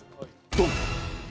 ドン！